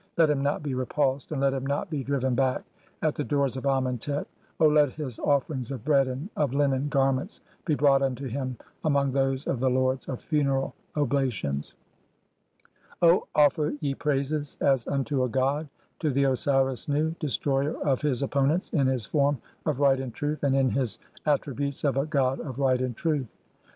Let him not be repulsed and let him not be "driven back at the doors of Amentet ; O let his offerings of "bread and of linen garments be brought unto him (26) among "[those of] the lords of funeral oblations, O offer ye praises as "unto a god, to the Osiris Nu, destroyer of his opponents] in "his form of right and truth and in his (27) attributes of a god "of right and truth."